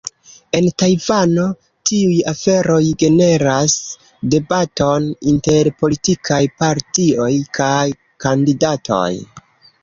En Tajvano, tiuj aferoj generas debaton inter politikaj partioj kaj kandidatoj.